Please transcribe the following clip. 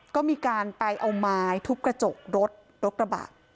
ก็มีการไปเอาไม้ทุบกระจกรถรถกระบะ